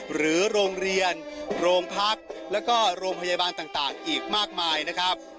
หรือโรงเรียนโรงพักแล้วก็โรงพยาบาลต่างอีกมากมายนะครับ